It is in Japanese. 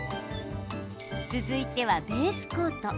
続いてはベースコート。